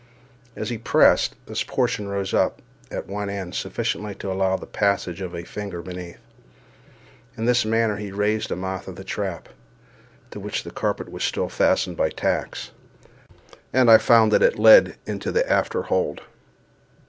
As he pressed, this portion rose up at one end sufficiently to allow the passage of his finger beneath. In this manner he raised the mouth of the trap (to which the carpet was still fastened by tacks), and I found that it led into the after hold.